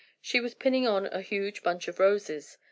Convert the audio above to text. She was pinning on a huge bunch of roses.